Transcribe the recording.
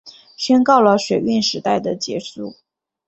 宣告了水运时代的结束